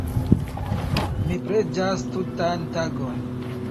Mi preĝas tutan tagon.